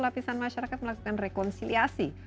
lapisan masyarakat melakukan rekonsiliasi